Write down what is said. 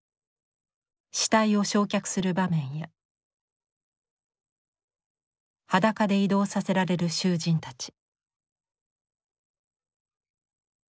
死体を焼却する場面や裸で移動させられる囚人たち。